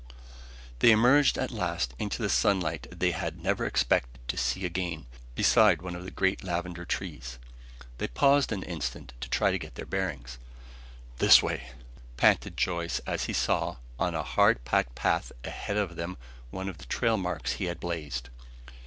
They emerged at last into the sunlight they had never expected to see again, beside one of the great lavender trees. They paused an instant to try to get their bearings. "This way," panted Joyce as he saw, on a hard packed path ahead of them, one of the trail marks he had blazed.